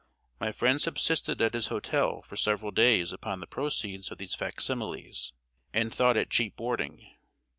My friend subsisted at his hotel for several days upon the proceeds of these fac similes, and thought it cheap boarding.